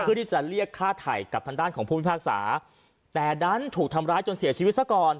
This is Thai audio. เพื่อที่จะเรียกฆ่าไถ่กับทางด้านของผู้พิพากษาแต่ดันถูกทำร้ายจนเสียชีวิตซะก่อน